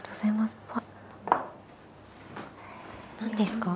何ですか？